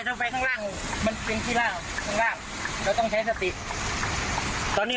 ต้องไปข้างล่างมันเป็นที่ลาบข้างล่างเราต้องใช้สติตอนนี้